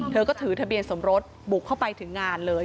เธอก็ถือทะเบียนสมรสบุกเข้าไปถึงงานเลย